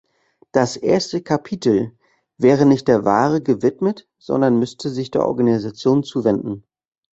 Das erste Kapitel wäre nicht der Ware gewidmet, sondern müsste sich der Organisation zuwenden.